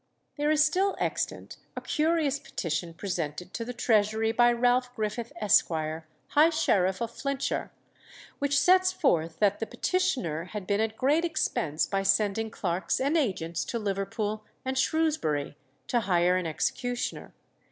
There is still extant a curious petition presented to the Treasury by Ralph Griffith, Esq., high sheriff of Flintshire, which sets forth that the petitioner had been at great expense by sending clerks and agents to Liverpool and Shrewsbury to hire an executioner.